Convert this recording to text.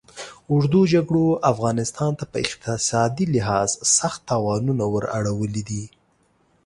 اوږدو جګړو افغانستان ته په اقتصادي لحاظ سخت تاوانونه ور اړولي دي.